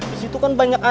di situ kan banyak angin